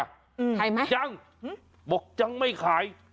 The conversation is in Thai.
ขายไหมยังบอกยังไม่ขาย